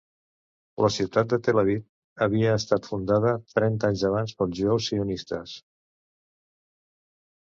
La ciutat de Tel Aviv havia estat fundada trenta anys abans pels jueus sionistes.